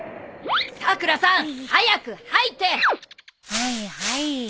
はいはい。